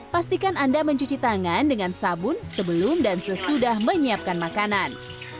pastikan anda mencuci tangan dengan sabun sebelum dan sesudah menyiapkan makanan